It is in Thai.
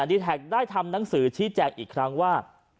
ดีแท็กได้ทำหนังสือชี้แจงอีกครั้งว่า